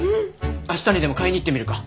明日にでも買いに行ってみるか！